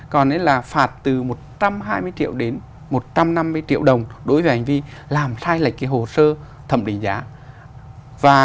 còn là phạt từ một trăm hai mươi triệu đến một trăm năm mươi triệu đồng đối với hành vi làm sai lệch cái hồ sơ thẩm định giá